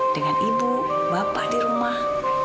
dengan ibu bapak di rumah